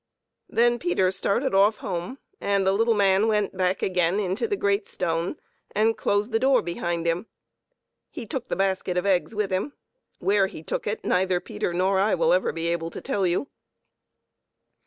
Then Peter started off home, and the little man went back again into the great stone and closed the door behind him. He took the basket of eggs with him ; where he took it neither Peter nor I will ever be able to tell you.